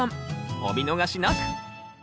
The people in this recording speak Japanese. お見逃しなく！